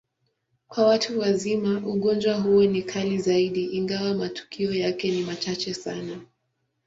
Kwa watu wazima, ugonjwa huo ni kali zaidi, ingawa matukio yake ni machache sana.